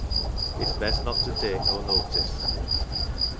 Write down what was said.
It's best not to take no notice."